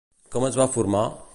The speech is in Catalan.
Com es va formar?